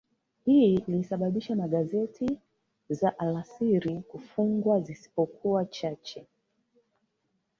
Hii ilisababisha magazeti za alasiri kufungwa zisipokuwa chache